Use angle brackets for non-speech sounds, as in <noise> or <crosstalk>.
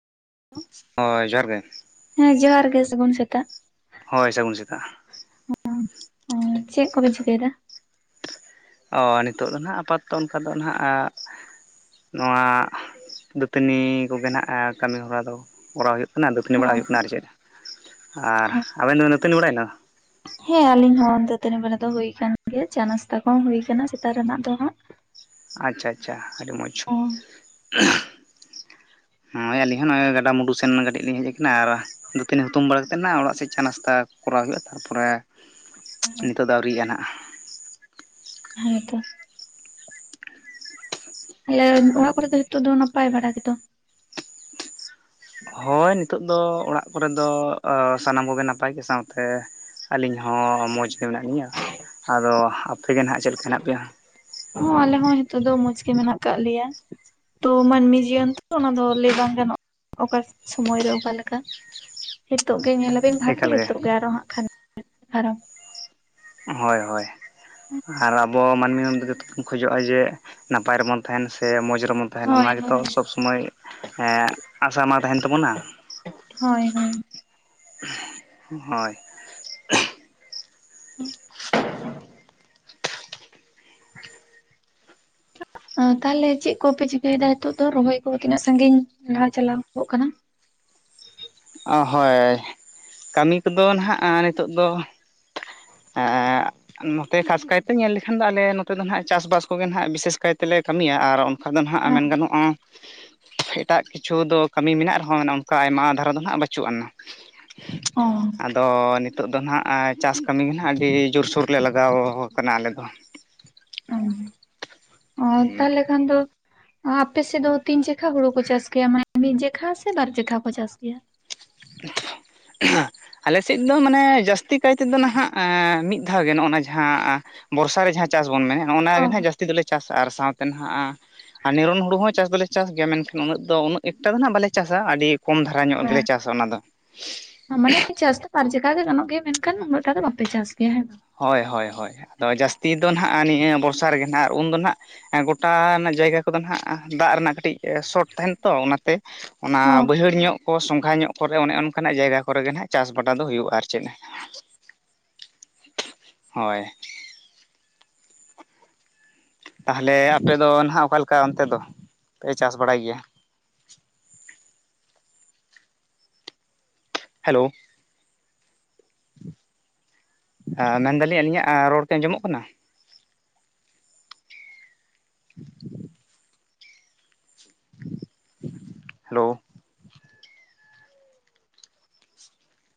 ᱦᱳᱭ ᱡᱚᱦᱟᱨ ᱜᱮ᱾ ᱦᱮᱸ ᱡᱚᱦᱟᱨ ᱜᱮ ᱥᱟᱹᱜᱩᱱ ᱥᱮᱛᱟᱜ᱾ ᱦᱳᱭ ᱥᱟᱹᱜᱩᱱ ᱥᱮᱛᱟᱜ ᱾ ᱚᱻ ᱪᱮᱫ ᱠᱚᱵᱮᱱ ᱪᱤᱠᱟᱹᱭᱮᱫᱟ? ᱚ ᱱᱤᱛᱚᱜ ᱫᱚ ᱱᱟᱦᱟᱸᱜ ᱟᱯᱟᱛᱚᱛᱚ ᱚᱱᱠᱟ ᱫᱚ ᱱᱟᱦᱟᱜ ᱱᱚᱣᱟ ᱫᱟᱹᱛᱟᱹᱱᱤ ᱠᱚᱜᱮ ᱱᱟᱜᱼᱟ ᱠᱟᱹᱢᱤ ᱦᱚᱨᱟ ᱫᱚ ᱠᱚᱨᱟᱣ ᱦᱩᱭᱩᱜ ᱚᱱᱟ ᱫᱟᱹᱛᱟᱹᱱᱤ ᱵᱟᱲᱟ ᱦᱚᱸ ᱦᱩᱭᱩᱜ ᱠᱟᱱᱟ ᱟᱨ ᱪᱮᱫ᱾ ᱟᱨ ᱟᱵᱮᱱ ᱫᱚ ᱵᱮᱱ ᱫᱟᱹᱛᱟᱹᱱᱤ ᱵᱟᱲᱟᱭᱮᱱᱟ? ᱦᱮᱸ ᱟᱞᱤᱧ ᱦᱚᱸ ᱫᱟᱹᱛᱟᱹᱱᱤ ᱵᱮᱲᱟ ᱫᱚ ᱦᱩ ᱟᱠᱟᱱ ᱜᱮᱭᱟ, ᱪᱟ ᱱᱟᱥᱛᱟ ᱠᱚᱦᱚ ᱦᱩᱭ ᱟᱠᱟᱱᱟ ᱥᱮᱛᱟᱜ ᱨᱮᱱᱟᱜ ᱫᱚ ᱦᱟᱸᱜ᱾ <inaudible> ᱟᱪᱪᱷᱟ ᱟᱪᱪᱷᱟ ᱟᱹᱰᱤ ᱢᱚᱡᱽ᱾ ᱦᱚᱜᱼᱚᱭ ᱟᱹᱞᱤᱧ ᱦᱚᱸ ᱱᱚᱜᱼᱚᱭ ᱜᱟᱰᱟ ᱢᱩᱰᱩ ᱥᱮᱱ ᱠᱟᱹᱴᱤᱡ ᱞᱤᱧ ᱦᱮᱡ ᱟᱠᱟᱱᱟ ᱟᱨ ᱫᱟᱹᱛᱟᱹᱱᱤ ᱦᱩᱛᱩᱢ ᱵᱟᱲᱟ ᱠᱟᱛᱮᱜ ᱱᱟᱜ ᱦᱟᱜ ᱚᱲᱟᱜ ᱥᱮᱡ ᱪᱟ ᱱᱟᱥᱛᱟ ᱠᱚᱨᱟᱣ ᱦᱩᱭᱩᱜᱼᱟ, ᱛᱟᱨᱯᱚᱨᱮ ᱱᱤᱛᱳᱜ ᱫᱚ ᱟᱹᱣᱨᱤᱭᱟᱜ-ᱟ ᱦᱟᱸᱜ᱾ ᱦᱮᱸ ᱛᱚ᱾ ᱛᱟᱦᱞᱮ ᱚᱲᱟᱜ ᱠᱚᱨᱮ ᱫᱚ ᱱᱤᱛᱚᱜ ᱫᱚ ᱱᱟᱯᱟᱭ ᱵᱷᱟᱲᱟ ᱜᱮᱛᱚ? ᱦᱳᱭ ᱱᱤᱛᱚᱜ ᱫᱚ ᱚᱲᱟᱜ ᱠᱚᱨᱮ ᱫᱚ ᱥᱟᱱᱟᱢ ᱠᱚᱜᱮ ᱱᱟᱯᱟᱭ ᱜᱮ, ᱥᱟᱶᱛᱮ ᱟᱞᱤᱧ ᱦᱚᱸ ᱢᱚᱡᱽ ᱛᱮ ᱢᱮᱱᱟᱜ ᱞᱤᱧᱟᱹ᱾ ᱟᱫᱚ ᱟᱯᱮᱜᱮ ᱱᱟᱦᱟᱜ ᱪᱮᱫ ᱞᱮᱠᱟ ᱦᱮᱱᱟᱜ ᱯᱮᱭᱟ? ᱦᱚᱸ ᱟᱞᱮ ᱦᱚᱸ ᱱᱤᱛᱚᱜ ᱫᱚ ᱢᱚᱸᱡᱽ ᱜᱮ ᱢᱮᱱᱟᱜ ᱠᱟᱜ ᱞᱮᱭᱟ᱾ ᱛᱚ ᱢᱟᱱᱢᱤ ᱡᱤᱭᱚᱱ ᱛᱚ ᱚᱱᱟ ᱫᱚ ᱞᱟᱹᱭ ᱵᱟᱝ ᱜᱟᱱᱚᱜ ᱚᱠᱟ ᱥᱚᱢᱚᱭ ᱨᱮ ᱚᱠᱟ ᱞᱮᱠᱟ᱾ ᱦᱤᱛᱚᱜ ᱜᱮ ᱧᱮᱞᱟᱵᱤᱱ ᱵᱷᱟᱜᱤ ᱦᱤᱛᱚᱜ ᱜᱮ ᱟᱨᱚ ᱦᱟᱸᱜ ᱠᱷᱟᱨᱟᱯ᱾ ᱦᱳᱭ ᱦᱳᱭ᱾ ᱟᱨ ᱟᱵᱚ ᱢᱟᱱᱢᱤ ᱡᱚᱛᱚ ᱵᱚᱱ ᱠᱷᱚᱡᱚᱜᱼᱟ ᱡᱮ ᱱᱟᱯᱟᱭ ᱨᱮᱵᱚᱱ ᱛᱟᱦᱮᱱ ᱥᱮ ᱢᱚᱡᱽ ᱨᱮᱵᱚᱱ ᱛᱟᱦᱮᱱ ᱦᱳᱭ ᱚᱱᱟ ᱜᱮᱛᱚ ᱦᱳᱭ᱾ ᱥᱚᱵᱽ ᱥᱚᱢᱚᱭ ᱟᱥᱟ ᱢᱟ ᱛᱟᱦᱮᱱ ᱛᱟᱵᱩᱱᱟ ᱾ ᱦᱳᱭ ᱦᱳᱭ᱾ ᱦᱳᱭ᱾ <inaudible> ᱛᱟᱦᱚᱞᱮ ᱪᱮᱫ ᱠᱚᱯᱮ ᱪᱤᱠᱟᱹᱭᱮᱫᱟ ᱦᱤᱛᱚᱜ ᱫᱚ, ᱨᱚᱦᱚᱭ ᱠᱚ ᱛᱤᱱᱟᱹᱜ ᱥᱟᱺᱜᱤᱧ ᱞᱟᱦᱟ ᱪᱟᱞᱟᱣᱚᱜ ᱠᱟᱱᱟ? ᱚ ᱦᱳᱭ ᱠᱟᱢᱤ ᱠᱚᱫᱚ ᱱᱟᱦᱟᱜ ᱱᱤᱛᱚᱜ ᱫᱚ <unintelligible> ᱱᱚᱛᱮ ᱠᱷᱟᱥ ᱠᱟᱭᱛᱮ ᱧᱮᱞ ᱞᱮᱠᱷᱟᱱ ᱫᱚ ᱟᱞᱮ ᱱᱚᱛᱮ ᱫᱚ ᱱᱟᱦᱟᱸᱜ ᱪᱟᱥᱵᱟᱥ ᱠᱚᱜᱮ ᱱᱟᱦᱟᱸᱜ ᱵᱤᱥᱮᱥ ᱠᱟᱭᱛᱮᱞᱮ ᱠᱟᱢᱤᱭᱟ ᱟᱨ ᱚᱱ <unintelligible> ᱱᱟᱦᱟᱸᱜ ᱦᱮᱸ ᱢᱮᱱ ᱜᱟᱱᱚᱜᱼᱟ ᱮᱴᱟᱜ ᱠᱤᱪᱷᱩ ᱫᱚ ᱠᱟᱢᱤ ᱢᱮᱱᱟᱜ ᱨᱮᱦᱚᱸ ᱱᱚᱱᱠᱟ ᱟᱭᱢᱟ ᱫᱷᱟᱨᱟ ᱫᱚ ᱦᱟᱸᱜ ᱵᱟᱹᱪᱩᱜ ᱟᱱᱟ᱾ ᱚᱸ ᱟᱫᱚ ᱱᱤᱛᱚᱜ ᱫᱚ ᱱᱟᱦᱟᱸᱜ ᱪᱟᱥ ᱠᱟᱢᱤ ᱜᱮ ᱱᱟᱦᱟᱸᱜ ᱟᱹᱰᱤ ᱡᱳᱨ ᱥᱳᱨ ᱞᱮ ᱞᱟᱜᱟᱣ ᱠᱟᱱᱟ ᱟᱞᱮ ᱫᱚ᱾ ᱚ ᱚ ᱦᱩᱸ ᱛᱟᱦᱚᱞᱮ ᱠᱷᱟᱱ ᱫᱚ ᱟ ᱟᱯᱮᱥᱮᱫ ᱫᱚ ᱛᱤᱱ ᱪᱮᱠᱷᱟ ᱦᱩᱲᱩ ᱠᱚ ᱪᱟᱥ ᱜᱮᱭᱟ ᱢᱟᱱᱮ ᱢᱤᱫ ᱡᱮᱠᱷᱟ ᱥᱮ ᱵᱟᱨ ᱡᱮᱠᱷᱟ ᱠᱚ ᱪᱟᱥ ᱜᱮᱭᱟ <inaudible> ᱟᱞᱮ ᱥᱮᱫ ᱫᱚ ᱢᱟᱱᱮ ᱡᱟᱹᱥᱛᱤ ᱠᱟᱭ ᱛᱮᱫᱚ ᱱᱟᱦᱟᱸᱜ ᱢᱤᱫ ᱫᱷᱟᱣ ᱜᱮ ᱱᱚᱜ-ᱚᱭ ᱱᱟ ᱡᱟᱦᱟᱸ ᱵᱚᱨᱥᱟ ᱨᱮ ᱡᱟᱦᱟᱸ ᱪᱟᱥ ᱵᱚᱱ ᱢᱮᱱ ᱚᱱᱟ ᱚ ᱜᱮ ᱱᱟᱦᱟᱸᱜ ᱡᱟᱹᱥᱛᱤ ᱫᱚᱞᱮ ᱪᱟᱥᱟ ᱟᱨ ᱥᱟᱶ ᱛᱮᱱ ᱱᱟᱦᱟᱸᱜ ᱟᱸ ᱱᱤᱨᱚᱱ ᱦᱩᱲᱩ ᱦᱚᱸ ᱪᱟᱥ ᱫᱚᱞᱮ ᱪᱟᱥ ᱜᱮᱭᱟ ᱢᱮᱱᱠᱷᱟᱱ ᱩᱱᱟᱹᱜ ᱫᱚ ᱩᱱᱟᱹᱜ ᱮᱠᱴᱟ ᱫᱚ ᱱᱟᱦᱟᱸᱜ ᱵᱟᱞᱮ ᱪᱟᱥᱟ ᱟᱰᱤ ᱠᱚᱢ ᱫᱷᱟᱨᱟ ᱧᱚᱜ ᱜᱮᱞᱮ ᱪᱟᱥᱟ ᱚᱱᱟ ᱫᱚ᱾ ᱢᱟᱱᱮ ᱪᱟᱥ ᱫᱚ ᱵᱟᱨ ᱪᱮᱠᱷᱟ ᱜᱮ ᱜᱟᱱᱚᱜ ᱜᱮᱭᱟ ᱢᱮᱱᱠᱷᱟᱱ ᱩᱱᱟᱹᱜ ᱴᱟ ᱫᱚ ᱵᱟᱯᱮ ᱪᱟᱥ ᱜᱮᱭᱟ ᱦᱮᱸ ᱵᱟᱝ? ᱦᱳᱭ ᱦᱚᱭ ᱦᱚᱭ ᱟᱫᱚ ᱡᱟᱥᱛᱤ ᱫᱚ ᱱᱟᱦᱟᱸᱜ ᱱᱤᱭᱟᱹ ᱵᱚᱨᱥᱟ ᱨᱮᱜᱮ ᱱᱟᱦᱟᱸᱜ ᱟᱨ ᱩᱱᱫᱚ ᱱᱟᱦᱟᱸᱜ ᱜᱚᱴᱟ ᱨᱮᱱᱟᱜ ᱡᱟᱭᱜᱟ ᱠᱚᱫᱚ ᱱᱟᱦᱟᱸᱜ ᱫᱟᱜ ᱨᱮᱱᱟᱜ ᱠᱟᱹᱴᱤᱡ ᱥᱚᱴ ᱛᱮᱦᱮᱱ ᱛᱚ ᱚᱱᱟᱛᱮ ᱚᱱᱟ ᱦᱚᱸ ᱵᱟᱹᱭᱦᱟᱹᱲ ᱧᱚᱜ ᱠᱚ ᱥᱚᱸᱜᱷᱟ ᱧᱚᱜ ᱠᱚᱨᱮ ᱚᱱᱮ ᱚᱱᱠᱟᱱᱟᱜ ᱡᱟᱭᱜᱟ ᱠᱚᱨᱮᱜᱮ ᱱᱟᱦᱟᱸᱜ ᱪᱟᱥ ᱵᱟᱴᱟ ᱫᱚ ᱦᱩᱭᱩᱜᱼᱟ᱾ ᱟᱨ ᱪᱮᱫ ᱦᱳᱭ ᱛᱟᱦᱚᱞᱮ ᱟᱯᱮ ᱫᱚ ᱱᱟᱦᱟᱸᱜ ᱚᱠᱟᱞᱮᱠᱟ ᱚᱱᱛᱮ ᱫᱚ ᱯᱮ ᱪᱟᱥ ᱵᱟᱲᱟᱭ ᱜᱮᱭᱟ ᱦᱮᱞᱳ ᱟᱸ ᱢᱮᱱᱫᱟᱞᱤᱧ ᱟᱹᱞᱤᱧᱟᱜ ᱨᱚᱲ ᱠᱤ ᱟᱸᱡᱚᱢᱚᱜ ᱠᱟᱱᱟ? <inaudible> ᱦᱮᱞᱳ